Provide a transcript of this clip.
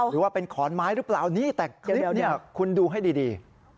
หรือว่าเป็นขอนไม้หรือเปล่าแต่คลิปนี้คุณดูให้ดี